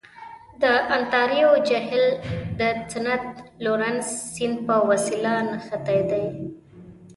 د انتاریو جهیل د سنت لورنس سیند په وسیله نښتی دی.